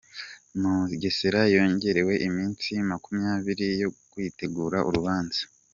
Mugesera yongerewe iminsi makumyabiri yo kwitegura urubanza